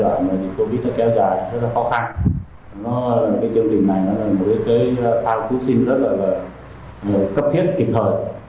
chương trình này tôi biết là kéo dài rất là khó khăn chương trình này là một thao thú sinh rất là cấp thiết kịp thời